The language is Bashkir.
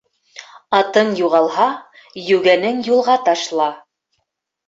Атың юғалһа, йүгәнең юлға ташла.